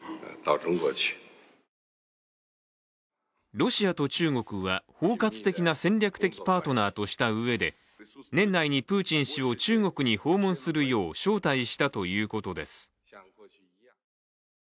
ロシアと中国は包括的な戦略的パートナーとしたうえで、年内にプーチン氏を中国に訪問するよう招待したということです。